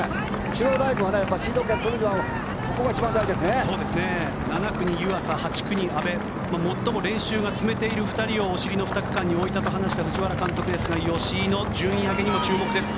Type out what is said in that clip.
中央大学はシード権をとるには７区に湯浅、８区に阿部もっとも練習がつめている２人をお尻の２区間に置いたと話した藤原監督ですが吉居の順位上げにも注目です。